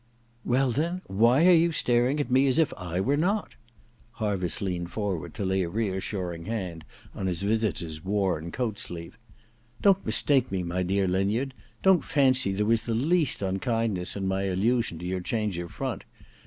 * Well, then, why are you staring at me as if I were not ?' Harviss leaned forward to lay a reassuring hand on his visitor's worn coat sleeve. ' Don't mistake me, my dear Linyard. Don't fancy there was the least unkindness in my allusion to your change of front.